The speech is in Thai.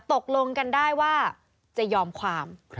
ตกลงกันได้ว่าจะยอมความ